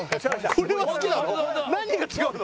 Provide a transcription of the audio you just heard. これは好きなの？